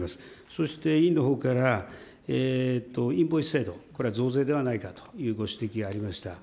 そして委員のほうから、インボイス制度、これは増税ではないかというご指摘がありました。